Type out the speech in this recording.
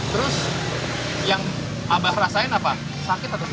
terus yang abah rasain apa sakit atau gimana